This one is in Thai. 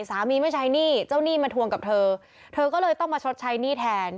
ไม่ใช้หนี้เจ้าหนี้มาทวงกับเธอเธอก็เลยต้องมาชดใช้หนี้แทน